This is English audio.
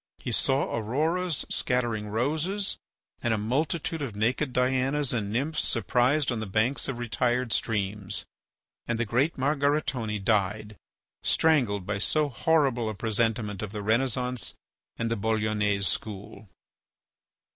He saw Auroras scattering roses, and a multitude of naked Dianas and Nymphs surprised on the banks of retired streams. And the great Margaritone died, strangled by so horrible a presentiment of the Renaissance and the Bolognese School.